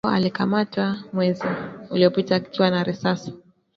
mmoja wao alikamatwa mwezi uliopita akiwa na risasi